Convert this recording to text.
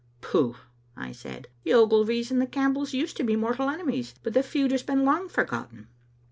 "Pooh!" I said. "The Ogilvys and the Campbells used to be mortal enemies, but the feud has been long forgotten."